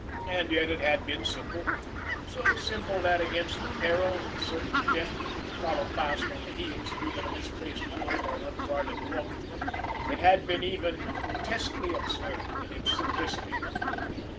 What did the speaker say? And yet it had been simple—so simple that, against the peril, the certain death that would follow fast on the heels of even a misplaced word or an unguarded look, it had been even grotesquely absurd in its simplicity.